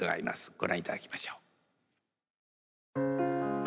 ご覧いただきましょう。